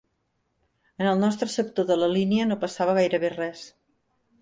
En el nostre sector de la línia no passava gairebé res.